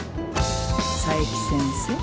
佐伯先生。